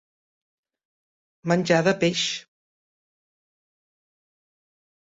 Menjar de peix.